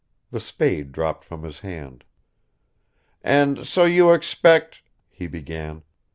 The spade dropped from his hand. "And so you expect ...," he began.